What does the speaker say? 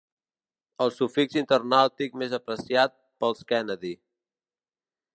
El sufix internàutic més apreciat pels Kennedy.